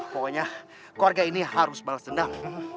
pokoknya keluarga ini harus balas dendam